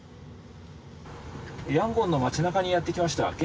ヤンゴンの街なかにやってきました。